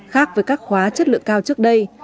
khác với các khóa chất lượng cao trước đây